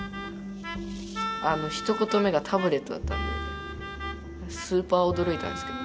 あのひと言目がタブレットだったんでスーパー驚いたんですけど